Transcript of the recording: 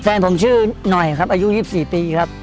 แฟนผมชื่อหน่อยครับอายุ๒๔ปีครับ